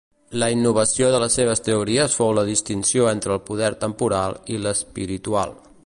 La innovació de les seves teories fou la distinció entre el poder temporal i l'espiritual.